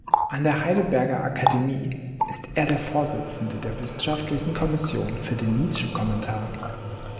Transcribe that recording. An der Heidelberger Akademie ist er der Vorsitzende der Wissenschaftlichen Kommission für den Nietzsche-Kommentar.